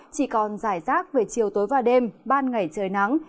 chỉ còn giải rác về chiều tối và đêm ban ngày trời nắng